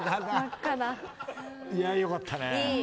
いやよかったね。